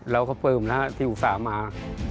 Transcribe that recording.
เราก็ปลื้มนะที่อุตส่าห์มา